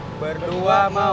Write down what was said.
udah bayarnya satu setengah